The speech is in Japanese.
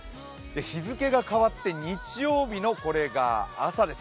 日付が変わって日曜日のこれが朝です。